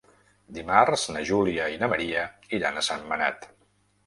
Dimarts na Júlia i na Maria iran a Sentmenat.